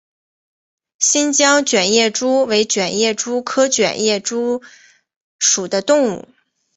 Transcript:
新疆卷叶蛛为卷叶蛛科卷叶蛛属的动物。